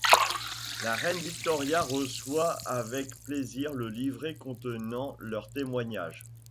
La Reine Victoria reçoit avec plaisir le livret contenant leur témoignage.